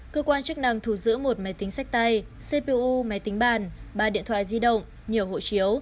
cơ quan chức năng thu giữ một máy tính sách tay cpu máy tính bàn ba điện thoại di động nhiều hộ chiếu